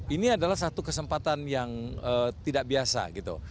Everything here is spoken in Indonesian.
ini adalah satu kesempatan yang tidak biasa gitu